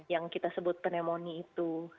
yang kita sebut pneumonia itu